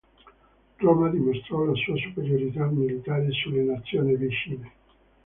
Roma dimostrò la sua superiorità militare sulle nazioni vicine.